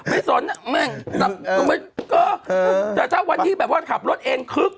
ไม่สนนะแม่งอ๋อแต่ถ้าวันที่ขับรถเองครึ๊ก